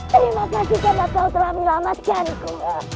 terima kasih karena kau terami lama sekaliku